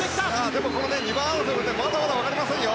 でも２番争いはまだまだわかりませんよ。